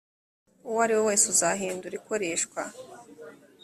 uwo ari we wese uzahindura ikoreshwa